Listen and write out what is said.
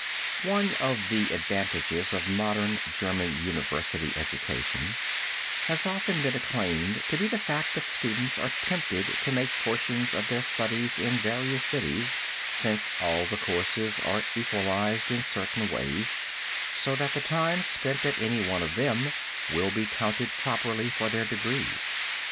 One of the advantages of modern German university education has often been acclaimed to be the fact that students are tempted to make portions of their studies in various cities, since all the courses are equalized in certain ways, so that the time spent at any one of them will be counted properly for their degrees.